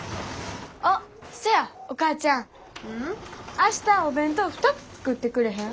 明日お弁当２つ作ってくれへん？